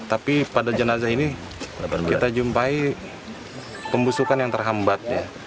tapi pada jenazah ini kita jumpai pembusukan yang terhambat